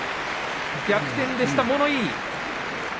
逆転でした、物言い。